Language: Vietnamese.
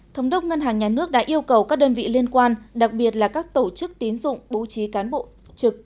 thống đốc ngân hàng nhà nước đã yêu cầu các đơn vị liên quan đặc biệt là các tổ chức tín dụng bố trí cán bộ trực